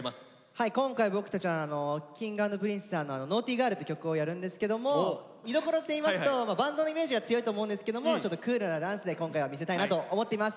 はい今回僕たちはＫｉｎｇ＆Ｐｒｉｎｃｅさんの「ＮａｕｇｈｔｙＧｉｒｌ」って曲をやるんですけども見どころっていいますとバンドのイメージが強いと思うんですけどもちょっとクールなダンスで今回は見せたいなと思っています。